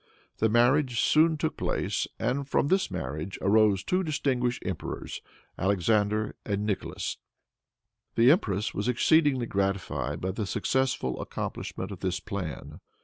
The marriage soon took place, and from this marriage arose the two distinguished emperors, Alexander and Nicholas. The empress was exceedingly gratified by the successful accomplishment of this plan.